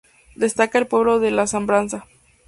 Destaca el pueblo de Labranza.